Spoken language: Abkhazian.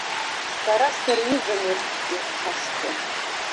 Са сырҩызам урҭ, изхашҭуа.